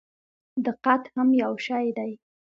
دقت هم یو شی دی.